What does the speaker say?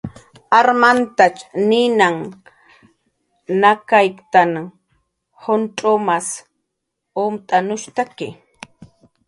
Armantach ninanh nakkatayanha, juncx'umanh umt'anushuntaki